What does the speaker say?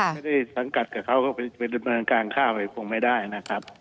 สังกัดกับเขาก็ไปดำเนินการฆ่าอะไรคงไม่ได้นะครับ